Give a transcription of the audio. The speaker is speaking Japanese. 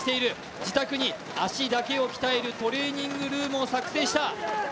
自宅に足だけを鍛えるトレーニングルームを作成した。